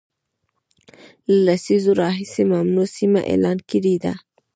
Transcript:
له لسیزو راهیسي ممنوع سیمه اعلان کړې ده